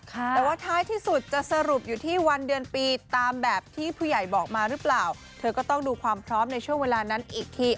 แต่ว่าท้ายที่สุดจะสรุปอยู่ที่วันเดือนปีตามแบบที่ผู้ใหญ่บอกมาหรือเปล่าเธอก็ต้องดูความพร้อมในช่วงเวลานั้นอีกที